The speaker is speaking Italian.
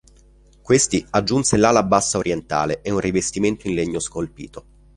Questi aggiunse l'ala bassa orientale e un rivestimento in legno scolpito.